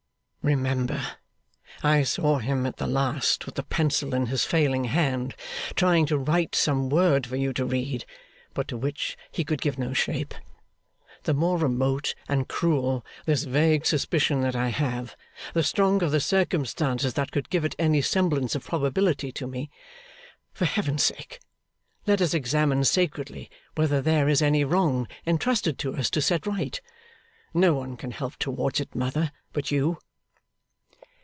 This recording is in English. Remember, I saw him at the last with the pencil in his failing hand, trying to write some word for you to read, but to which he could give no shape. The more remote and cruel this vague suspicion that I have, the stronger the circumstances that could give it any semblance of probability to me. For Heaven's sake, let us examine sacredly whether there is any wrong entrusted to us to set right. No one can help towards it, mother, but you.